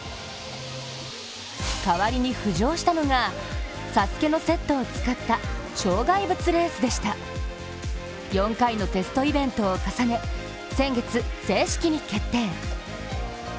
代わりに浮上したのが、「ＳＡＳＵＫＥ」のセットを使った障害物レースでした４回のテストイベントを重ね先月、正式に決定。